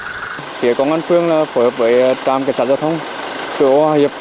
cảnh sát giao thông cửa âu hòa hiệp hối hợp với trạm cảnh sát giao thông cửa âu hòa hiệp